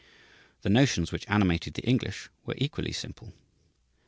The notions which animated the English were equally simple.